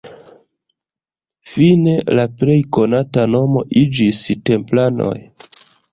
Fine, la plej konata nomo iĝis "templanoj".